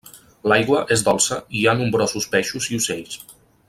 L'aigua és dolça i hi ha nombrosos peixos i ocells.